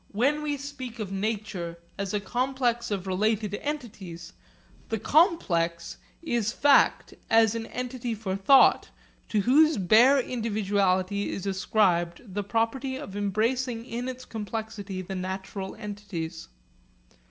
When we speak of nature as a complex of related entities, the 'complex' is fact as an entity for thought, to whose bare individuality is ascribed the property of embracing in its complexity the natural entities.